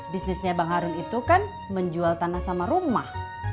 bisnisnya bang harun itu kan menjual tanah sama rumah